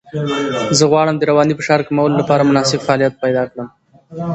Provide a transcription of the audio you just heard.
زه غواړم د رواني فشار کمولو لپاره مناسب فعالیت پیدا کړم.